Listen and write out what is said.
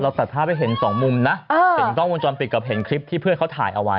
ตัดภาพให้เห็นสองมุมนะเห็นกล้องวงจรปิดกับเห็นคลิปที่เพื่อนเขาถ่ายเอาไว้